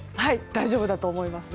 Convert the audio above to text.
大丈夫だと思います。